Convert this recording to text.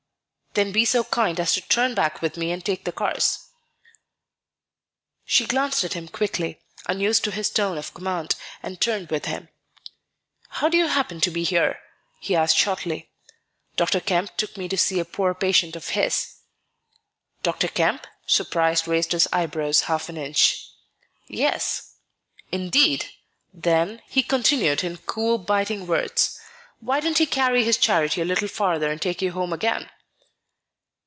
"Then be so kind as to turn back with me and take the cars." She glanced at him quickly, unused to his tone of command, and turned with him. "How do you happen to be here?" he asked shortly. "Dr. Kemp took me to see a poor patient of his." "Dr. Kemp?" surprise raised his eyebrows half an inch. "Yes." "Indeed! Then," he continued in cool, biting words, "why didn't he carry his charity a little farther and take you home again?"